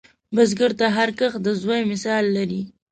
بزګر ته هر کښت د زوی مثال لري